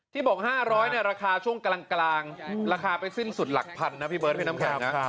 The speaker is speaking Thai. บอก๕๐๐ราคาช่วงกลางราคาไปสิ้นสุดหลักพันนะพี่เบิร์ดพี่น้ำแข็งนะ